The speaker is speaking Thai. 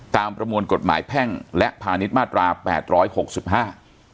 ประมวลกฎหมายแพ่งและพาณิชย์มาตราแปดร้อยหกสิบห้า